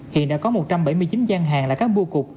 hiện đã có một trăm bảy mươi chín gian hàng là các bu cục